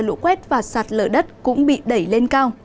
lũ quét và sạt lở đất cũng bị đẩy lên cao